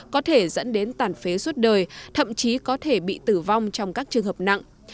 có thể dẫn đến tàn phế suốt đời thậm chí có thể bị tử vong trong các trường hợp nặng